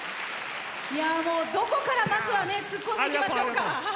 どこからまずはツッコんでいきましょうか。